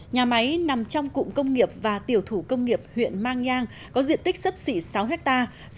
nhà máy nằm trong cụm công nghiệp và tiểu thủ công nghiệp huyện mang nhang có diện tích sấp xỉ sáu hectare